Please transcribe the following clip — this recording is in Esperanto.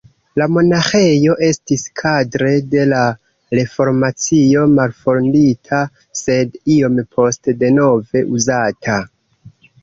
La monaĥejo estis kadre de la Reformacio malfondita, sed iom poste denove uzata.